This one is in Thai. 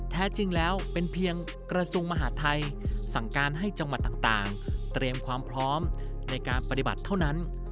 แท้จริงแล้วเป็นเพียงกระทรวงมหาทัยสั่งการให้จังหวัดต่างเตรียมความพร้อมในการปฏิบัติเท่านั้น